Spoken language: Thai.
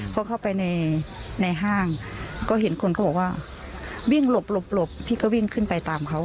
พอเข้าไปในห้างก็เห็นคนเขาบอกว่าวิ่งหลบหลบหลบพี่ก็วิ่งขึ้นไปตามเขา